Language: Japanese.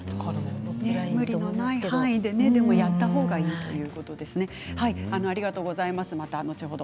無理のない範囲でやった方がいいということですね。